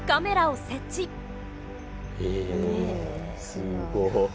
すごっ！